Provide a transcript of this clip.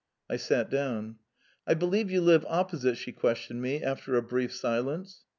I sat down. "I believe you live opposite?" she asked after a short silence.